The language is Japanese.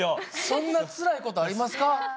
そんなつらい事ありますか？